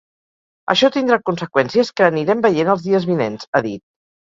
Això tindrà conseqüències que anirem veient els dies vinents, ha dit.